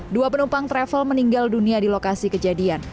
dua penumpang travel meninggal dunia di lokasi kejadian